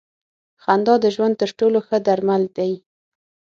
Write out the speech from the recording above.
خندا د ژوند تر ټولو ښه درمل دی.